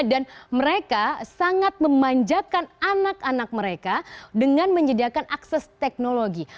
dan mereka sangat memanjakan anak anak mereka dengan menyediakan akses teknologi